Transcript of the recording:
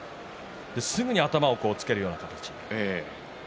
すぐに頭をつけるような形。